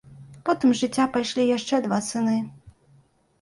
Потым з жыцця пайшлі яшчэ два сыны.